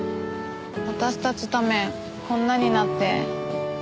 私たちのためこんなになって。